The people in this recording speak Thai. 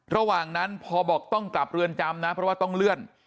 ระหว่างนั้นพอบอกต้องกลับเรือนจำนะเพราะว่าต้องเลื่อน